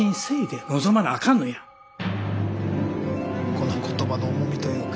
この言葉の重みというか。